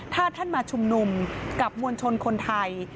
ถ้าท่านมาชุมนุมกับมวลชนคนไทย